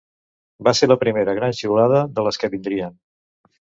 Va ser la primera gran xiulada de les que vindrien.